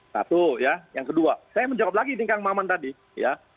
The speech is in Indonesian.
satu ya yang kedua saya menjawab lagi di tingkat bang aman tadi ya